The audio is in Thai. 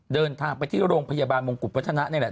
เดินทางไปจึงโรงพยาบาลบงกุปัจธณะนี่แหละ